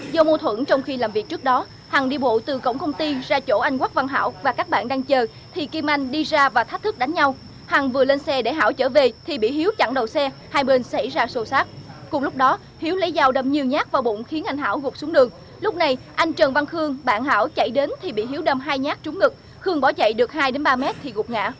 do mô thuẫn trong khi làm việc trước đó hằng đi bộ từ cổng công ty ra chỗ anh quắc văn hảo và các bạn đang chờ thì kim anh đi ra và thách thức đánh nhau hằng vừa lên xe để hảo chở về thì bị hiếu chặn đầu xe hai bên xảy ra sâu sát cùng lúc đó hiếu lấy dao đâm nhiều nhát vào bụng khiến anh hảo gục xuống đường lúc này anh trần văn khương bạn hảo chạy đến thì bị hiếu đâm hai nhát trúng ngực khương bỏ chạy được hai ba mét thì gục ngã